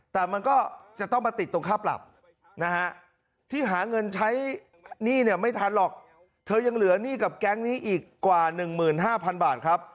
แต่มันก็จะต้องมาติดตรงค่าปรับนะฮะ